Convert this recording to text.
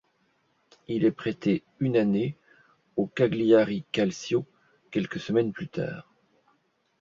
Il est prêté une année au Cagliari Calcio quelques semaines plus tard.